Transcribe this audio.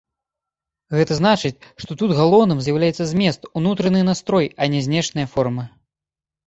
Гэта значыць, што тут галоўным з'яўляецца змест, унутраны настрой, а не знешняя форма.